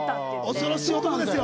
恐ろしい男ですよ。